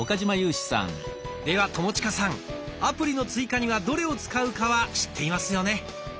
では友近さんアプリの追加にはどれを使うかは知っていますよね？